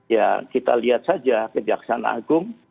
ya kita lihat saja kejaksaan agung